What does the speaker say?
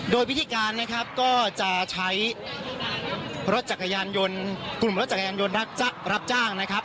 โดยวิธีการนะครับก็จะใช้กลุ่มรถจักรยานยนต์รับจ้างนะครับ